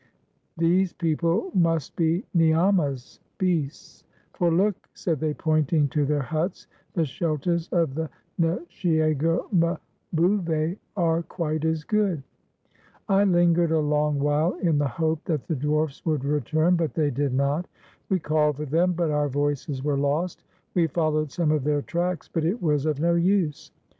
These people inust he niamas (beasts); for, look," said they, pointing to their huts, "the shelters of the nshiego mbouve are quite as good." I lingered a long while in the hope that the dwarfs would return, but they did not. We called for them, but our voices were lost; we followed some of their tracks, but it was of no use.